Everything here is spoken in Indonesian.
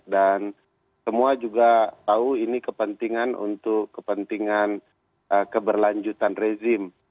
dan semua juga tahu ini kepentingan untuk keberlanjutan rezim